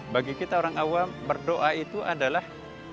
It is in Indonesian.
bagi kita orang awam berdoa itu adalah